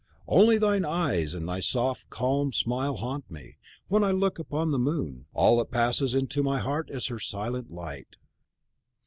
Only thine eyes and thy soft, calm smile haunt me; as when I look upon the moon, all that passes into my heart is her silent light.